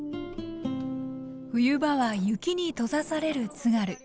冬場は雪に閉ざされる津軽。